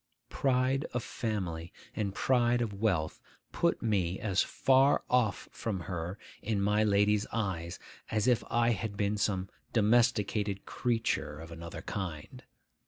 Pride of family and pride of wealth put me as far off from her in my lady's eyes as if I had been some domesticated creature of another kind.